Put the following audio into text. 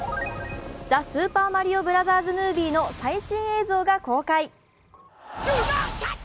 「ザ・スーパーマリオブラザーズ・ムービー」の最新映像が公開。